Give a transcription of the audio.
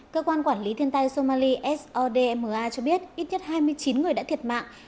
cơ quan quản lý thiên tai somali sodma cho biết ít nhất hai mươi chín người đã thiệt mạng